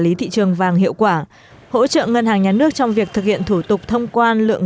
lý thị trường vàng hiệu quả hỗ trợ ngân hàng nhà nước trong việc thực hiện thủ tục thông quan lượng